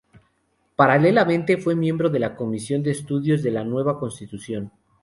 Paralelamente, fue miembro de la Comisión de Estudios de la Nueva Constitución.